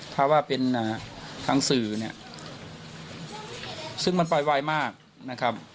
ถ้าว่าเป็นทางสื่อเนี่ยซึ่งมันปล่อยไวมากนะครับ